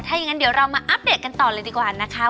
ถ้าอย่างนั้นเดี๋ยวเรามาอัปเดตกันต่อเลยดีกว่านะคะ